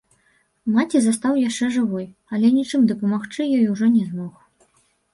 Маці застаў яшчэ жывой, але нічым дапамагчы ёй ужо не змог.